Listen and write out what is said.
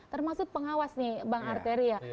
termasuk pengawas nih bang arteria